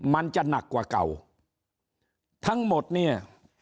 มันจะหนักกว่าเก่าทั้งหมดเนี่ย